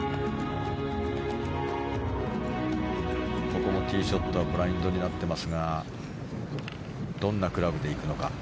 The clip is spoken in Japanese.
ここのティーショットはブラインドになってますがどんなクラブでいくのか。